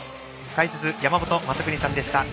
解説は山本昌邦さんでした。